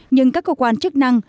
nhưng các cơ quan chức năng